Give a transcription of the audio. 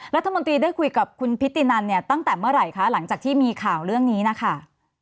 รัฐมนตรีได้คุยกับคุณพิธีนันเนี่ยตั้งแต่เมื่อไหร่คะหลังจากที่มีข่าวเรื่องนี้นะคะ